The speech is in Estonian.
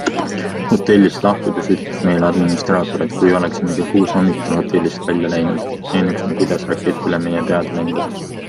Hotellist lahkudes ütles meile administraator, et kui oleksime kell kuus hommikul hotellist välja läinud, näinuks me, kuidas rakett üle meie peade lendab.